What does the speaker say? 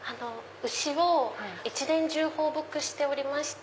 牛を一年中放牧しておりまして。